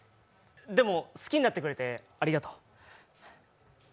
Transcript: でも、好きになってくれてありがとう。